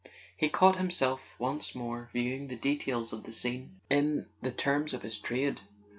He caught himself once more viewing the details of the scene in the terms of his trade.